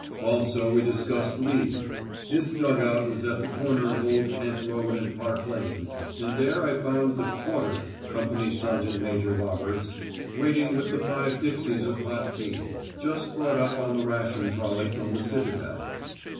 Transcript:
Also we discussed leave. His dug out was at the corner of Old Kent Road and Park Lane, and there I found the "Quarter" (Company Sergeant Major Roberts) waiting with the five dixies of hot tea, just brought up on the ration trolley from the Citadel.